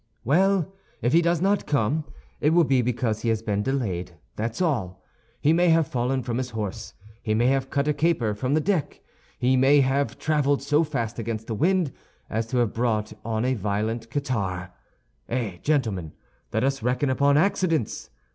"Well, if he does not come, it will be because he has been delayed, that's all. He may have fallen from his horse, he may have cut a caper from the deck; he may have traveled so fast against the wind as to have brought on a violent catarrh. Eh, gentlemen, let us reckon upon accidents!